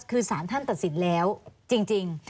คือสารท่านตัดสินแล้วจริง